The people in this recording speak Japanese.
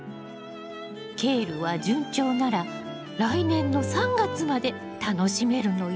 ケールは順調なら来年の３月まで楽しめるのよ。